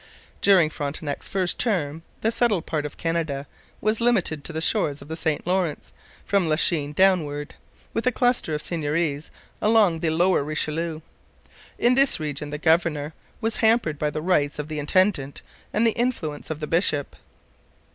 During Frontenac's first term the settled part of Canada was limited to the shores of the St Lawrence from Lachine downward, with a cluster of seigneuries along the lower Richelieu. In this region the governor was hampered by the rights of the intendant and the influence of the bishop.